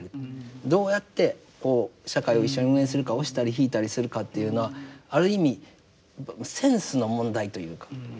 どうやって社会を一緒に運営するか押したり引いたりするかっていうのはある意味センスの問題というか。